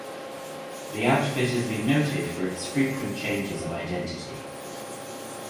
The outfit has been noted for its frequent changes of identity.